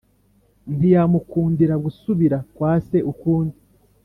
ntiyamukundira gusubira kwa se ukundi.